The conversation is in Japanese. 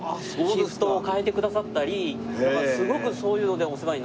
シフトを変えてくださったりすごくそういうのでお世話になって。